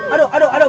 aduh aduh mamaif